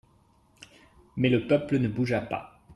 Mais le peuple ne bougea pas.